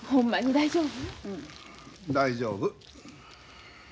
大丈夫。